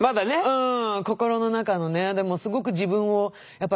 うん。